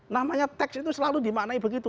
namanya teks itu selalu dimaknai begitu